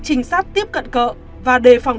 trinh sát tiếp cận cỡ và đề phòng